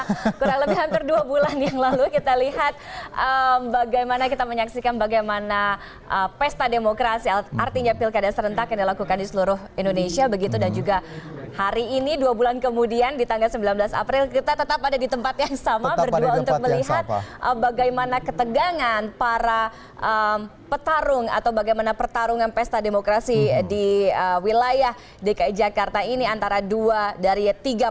kurang lebih hampir dua bulan yang lalu kita lihat bagaimana kita menyaksikan bagaimana pesta demokrasi artinya pilkada serentak yang dilakukan di seluruh indonesia begitu dan juga hari ini dua bulan kemudian di tanggal sembilan belas april kita tetap ada di tempat yang sama berdua untuk melihat bagaimana ketegangan para petarung atau bagaimana pertarungan pesta demokrasi di wilayah dki jakarta ini